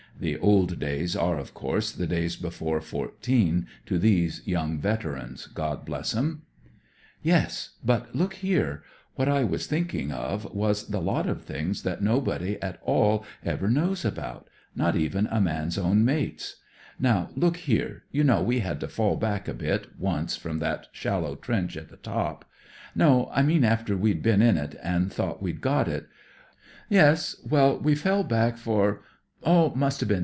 (The old days " are, of course, the days before '14, to these young veterans — God bless them 1) " Yes, but look here ; what I was thinking of was the lot of things that nobody at all ever knows about; not even a man's own mates. Now, look i mfmmmm mm THE DEVIL'S WOOD 81 here. You know we had to fall back a bit, once, from that shallow trench at the top. No, I mean after we'd been in it, and thought we'd got it. Yes. Well, we fell back for— oh, it must 've been